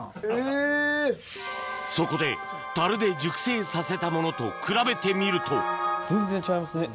そこで樽で熟成させたものと比べてみると全然ちゃいますね。